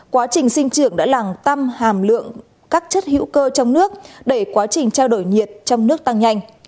quá trình sinh trưởng đã làm tăng hàm lượng các chất hữu cơ trong nước đẩy quá trình trao đổi nhiệt trong nước tăng nhanh